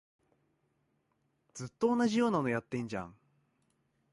ずっと同じようなのやってんじゃん